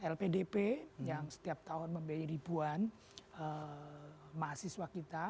lpdp yang setiap tahun membiayai ribuan mahasiswa kita